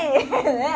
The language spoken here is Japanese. ねえ。